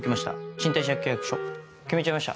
賃貸借契約書決めちゃいました。